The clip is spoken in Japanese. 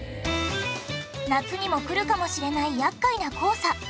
夏にも来るかもしれない厄介な黄砂。